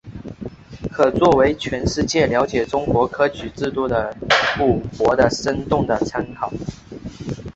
可作为全世界了解中国科举制度的一部活的生动的参考。